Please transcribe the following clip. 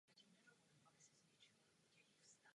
Obec je situována na úpatí pohoří Jura.